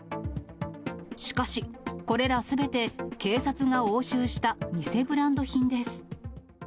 しかし、これらすべて警察が押収した偽ブランド品です。